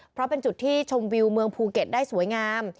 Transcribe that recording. เพราะเป็นจุดที่ชมวิวเมืองภูเก็ตได้สวยงาม